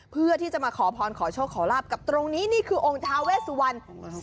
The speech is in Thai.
เพื่อที่จะมาขอพรขอโชคขอลาบกับตรงนี้นี่คือองค์ทาเวสวัน